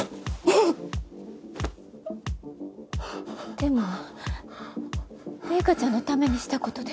でも零花ちゃんのためにしたことでしょ？